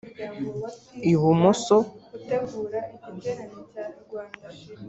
ibumoso